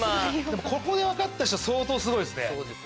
ここで分かった人相当すごいっすね。